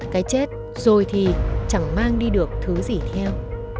cái chết rồi thì chẳng mang đi được thứ gì theo